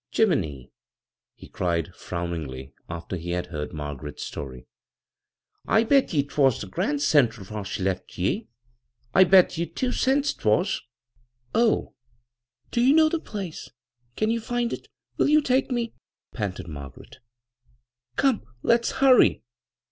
" Jiminy 1 " he cried frowningly after he had heard Margaret's story. " I bet ye 'twas the Gran' Central whar she left ye — I bet ye two cents 'twas I " "Oh, do you know the place? Canycni find it 7 Will you take me ?" panted Margaret " Come, let's hurry."